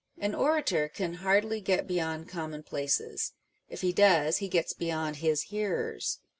An orator can hardly get beyond commonplaces : if he does, he gets beyond his hearers.